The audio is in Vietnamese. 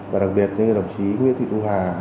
và đặc biệt như đồng chí nguyễn thị thu hà